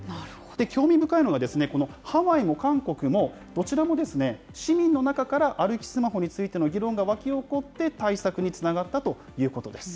興味深いのがこのハワイも韓国も、どちらも市民の中から、歩きスマホについての議論が沸き起こって、対策につながったということです。